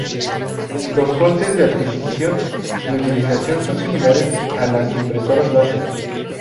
Los costes de adquisición y utilización son similares a las impresoras láser.